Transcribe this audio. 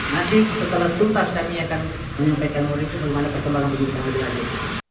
nanti setelah sekultas kami akan menyampaikan mulut ke rumah dan pertemuan penyelidikan lebih lanjut